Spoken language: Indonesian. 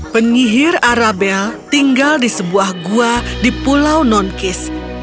penyihir arabelle tinggal di sebuah gua di pulau nonkis